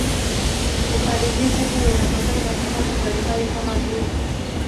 Uharibifu huu unatokana na sababu mbalimbali kama vile